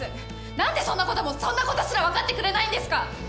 何でそんなこともそんなことすら分かってくれないんですか？